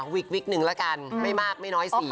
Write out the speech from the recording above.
วิกหนึ่งละกันไม่มากไม่น้อยสี